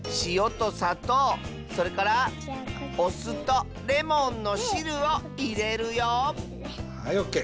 それからおすとレモンのしるをいれるよはいオッケー。